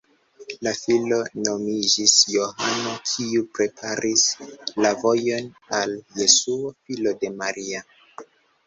La filo nomiĝis Johano, kiu "preparis la vojon" al Jesuo, filo de Maria.